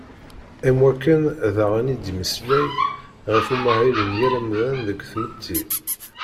Am wakken, daɣen i d-yemmeslay ɣef umahil n yal amdan deg tmetti.